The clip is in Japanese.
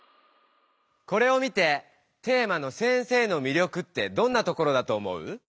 これを見てテーマの先生のみりょくってどんなところだと思う？